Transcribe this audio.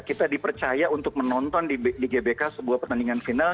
kita dipercaya untuk menonton di gbk sebuah pertandingan final